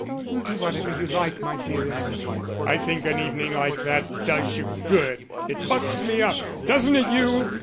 "We'll do whatever you like, my dearest." "I think an evening like that does you good. It bucks me up; doesn't it you?"